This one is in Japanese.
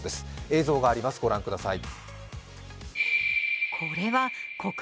映像あります、ご覧ください。